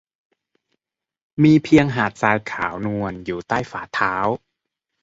มีเพียงหาดทรายขาวนวลอยู่ใต้ฝ่าเท้า